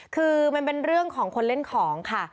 คือมันเป็นเรื่องของคนเล่นของค่ะ